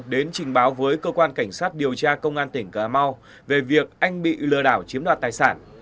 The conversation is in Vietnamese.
đến trình báo với cơ quan cảnh sát điều tra công an tỉnh cà mau về việc anh bị lừa đảo chiếm đoạt tài sản